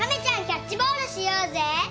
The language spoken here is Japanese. キャッチボールしようぜ！